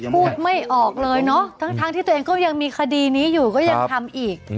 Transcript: พูดไม่ออกเลยเนาะทั้งที่ตัวเองก็ยังมีคดีนี้อยู่ก็ยังทำอีก